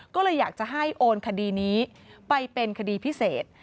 ก็เลยอยากจะให้โอนคดีนี้ไปเป็นคดีพิเศษ